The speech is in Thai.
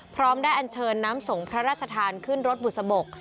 พร้อมได้อันเชิญน้ำส่งพระราชทานขึ้นรถบุษบก